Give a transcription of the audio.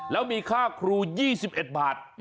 แล้วมีค่าครู๒๑บาท